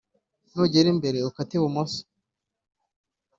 nugera imbere ukate ibumoso